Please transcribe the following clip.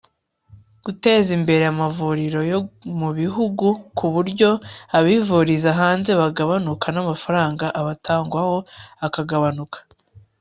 guteza imbere amavuriro yo mu gihugu ku buryo abivuriza hanze bagabanuka n'amafaranga abatangwaho akagabanuka